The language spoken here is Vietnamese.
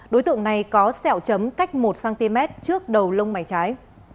đối tượng này có sẹo chấm cách một cm trước đầu lông mày trái